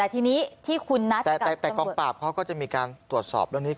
ทีนี้ที่คุณนัดแต่กองปราบเขาก็จะมีการตรวจสอบเรื่องนี้ก่อน